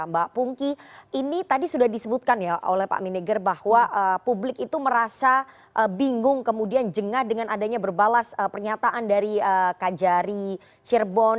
mbak pungki ini tadi sudah disebutkan ya oleh pak mineger bahwa publik itu merasa bingung kemudian jengah dengan adanya berbalas pernyataan dari kajari cirebon